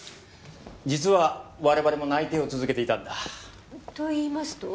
実は我々も内偵を続けていたんだ。といいますと？